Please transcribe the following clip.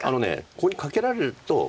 ここにカケられると。